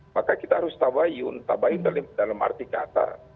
maka kita harus tabayun tabayun dalam arti kata